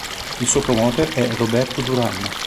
Il suo promoter è Roberto Durán.